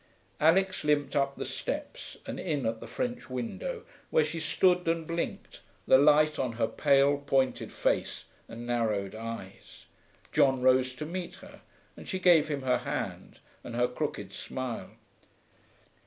Alix limped up the steps and in at the French window, where she stood and blinked, the light on her pale, pointed face and narrowed eyes. John rose to meet her, and she gave him her hand and her crooked smile.